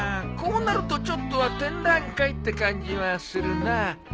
こうなるとちょっとは展覧会って感じはするな。